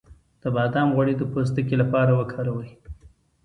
د بادام غوړي د پوستکي لپاره وکاروئ